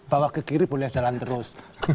kalau ke kiri boleh jalan terus